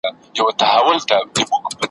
چي کیسې اورم د هیوادونو ,